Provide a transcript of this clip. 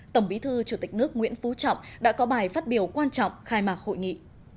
tổng bí thư chủ tịch nước nguyễn phú trọng đã có bài phát biểu quan trọng khai mạc hội nghị